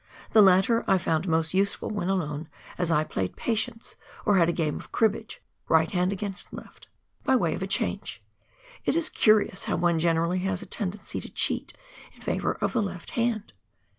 The latter I found most useful when alone, as I played " Patience " or had a game of Cribbage — right hand against left — by way of a change. It is curious how one generally has a tendency to cheat in favour of the left hand